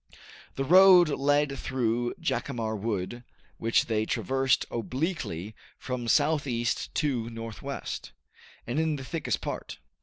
The road led through Jacamar Wood, which they traversed obliquely from southeast to northwest, and in the thickest part.